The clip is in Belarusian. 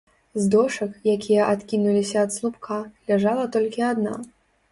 З дошак, якія адкінуліся ад слупка, ляжала толькі адна.